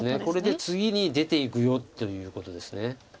これで「次に出ていくよ」っていうことです。